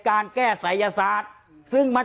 การแก้เคล็ดบางอย่างแค่นั้นเอง